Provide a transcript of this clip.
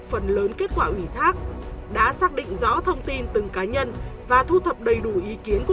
phần lớn kết quả ủy thác đã xác định rõ thông tin từng cá nhân và thu thập đầy đủ ý kiến của